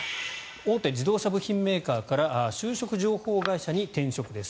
大手自動車部品メーカーから就職情報会社に転職です。